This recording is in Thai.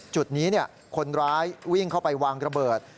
จุดนี้คนร้ายวิ่งเข้าไปวางระเบิด